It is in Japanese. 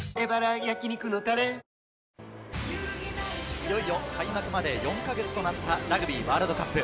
いよいよ開幕まで４か月となったラグビーワールドカップ。